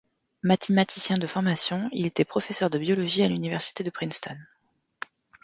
Mathématicien de formation, il était professeur de biologie à l'Université de Princeton.